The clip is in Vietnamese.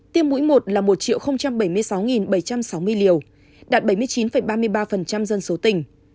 tiêm mũi một là một bảy mươi sáu bảy trăm sáu mươi liều đạt bảy mươi chín ba mươi ba dân số tỉnh